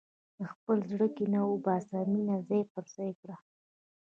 د خپل زړه کینه وباسه، مینه ځای پر ځای کړه.